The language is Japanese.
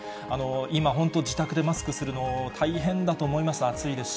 今、本当、自宅でマスクするのは大変だと思います、暑いですし。